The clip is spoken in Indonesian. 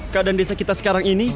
keadaan desa kita sekarang ini